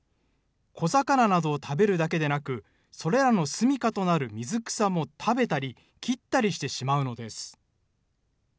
小魚などを食べるだけでなく、それらの住みかとなる水草も食べたり切ったりしてしまうのです。